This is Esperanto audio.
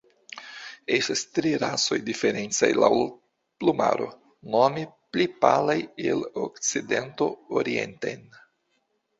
Estas tri rasoj diferencaj laŭ plumaro, nome pli palaj el okcidento orienten.